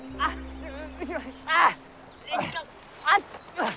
あっ！